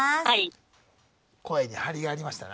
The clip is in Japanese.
声に張りがありましたな。